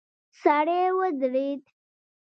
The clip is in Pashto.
سړی ودرید.